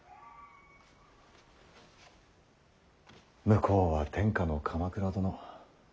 向こうは天下の鎌倉殿。